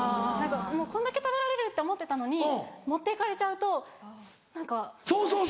「こんだけ食べられる」って思ってたのに持って行かれちゃうと何か寂しい。